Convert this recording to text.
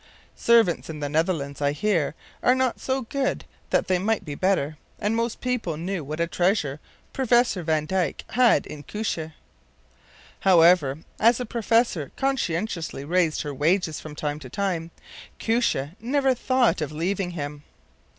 Servants in the Netherlands, I hear, are not so good but that they might be better; and most people knew what a treasure Professor van Dijck had in his Koosje. However, as the professor conscientiously raised her wages from time to time, Koosje never thought of leaving him.